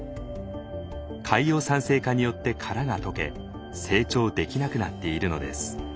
海洋酸性化によって殻が溶け成長できなくなっているのです。